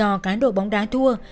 do cán đội bóng đá thua